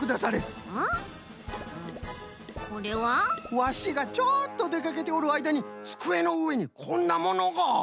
ワシがちょっとでかけておるあいだにつくえのうえにこんなものが。